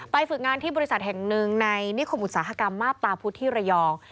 ฝึกงานที่บริษัทแห่งหนึ่งในนิคมอุตสาหกรรมมาบตาพุทธที่ระยอง